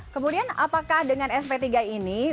kemudian apakah dengan sp tiga ini